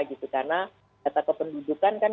karena kata kependudukan